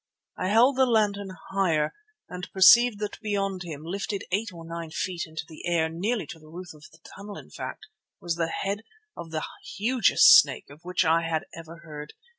I held the lantern higher and perceived that beyond him, lifted eight or nine feet into the air, nearly to the roof of the tunnel in fact, was the head of the hugest snake of which I have ever heard.